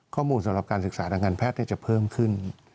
สำหรับการศึกษาทางการแพทย์จะเพิ่มขึ้น